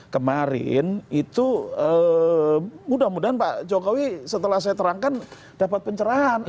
kemarin itu mudah mudahan pak jokowi setelah saya terangkan dapat pencerahan